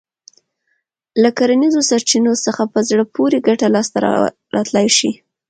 له کرنیزو سرچينو څخه په زړه پورې ګټه لاسته راتلای شي.